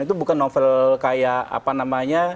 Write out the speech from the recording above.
itu bukan novel kayak apa namanya